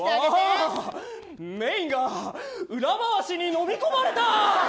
メインが裏回しに飲み込まれた。